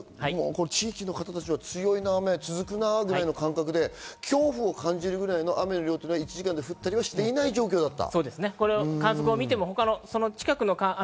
地域の方たちは強い雨が続くなというくらいの感覚で恐怖を感じる雨というのは１時間で降ってはいない状況だった。